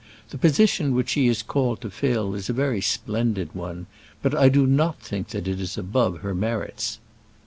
The position which she is called to fill is a very splendid one, but I do not think that it is above her merits."